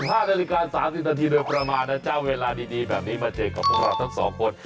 ๕นาฬิกา๓๐นาทีโดยประมาณนะเจ้าเวลาดีแบบนี้มาเจอกับพวกเราทั้งสองคน